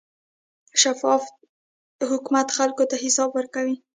شفاف حکومت خلکو ته حساب ورکوي.